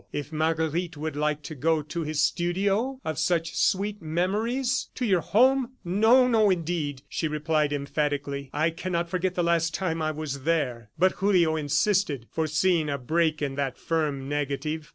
If Marguerite would like to go to his studio of such sweet memories! ... "To your home? No! no indeed!" she replied emphatically "I cannot forget the last time I was there." But Julio insisted, foreseeing a break in that firm negative.